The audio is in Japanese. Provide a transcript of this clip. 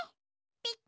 ピッ。